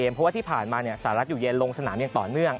เพราะว่าที่ผ่านมาสหรัฐอยู่เย็นลงสนามอย่างต่อเนื่อง